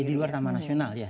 di luar taman nasional ya